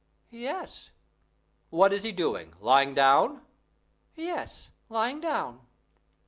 "Yes." "What is he doing? lying down?" "Yes, lying down."